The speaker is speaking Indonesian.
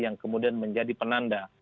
yang kemudian menjadi penanda